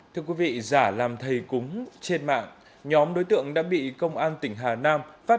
thưa quý vị giả làm thầy cúng trên mạng nhóm đối tượng đã bị công an tỉnh hà nam phát